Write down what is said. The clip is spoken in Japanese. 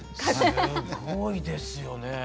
すごいですよね。